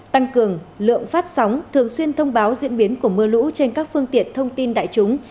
tăng cường lượng phát sóng thường xuyên thông báo diễn biến của mưa lũ trên các phương tiện thông tin đại chúng